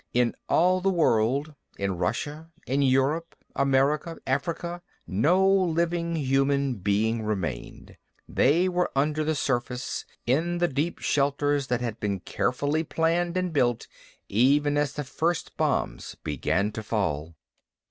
In all the world in Russia, in Europe, America, Africa no living human being remained. They were under the surface, in the deep shelters that had been carefully planned and built, even as the first bombs began to fall.